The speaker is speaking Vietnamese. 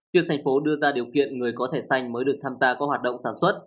việc thành phố đưa ra điều kiện người có thể xanh mới được tham gia các hoạt động sản xuất